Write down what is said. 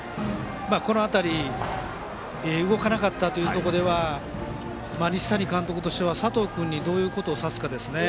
この辺り、動かなかったというところでは西谷監督としては佐藤君にどういうことをさせるかです。